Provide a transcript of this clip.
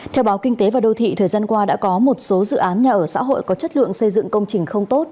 theo báo kinh tế và đô thị thời gian qua đã có một số dự án nhà ở xã hội có chất lượng xây dựng công trình không tốt